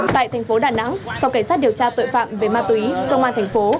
tại thành phố đà nẵng phòng cảnh sát điều tra tội phạm về ma túy công an thành phố